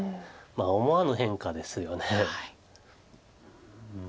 思わぬ変化ですよね。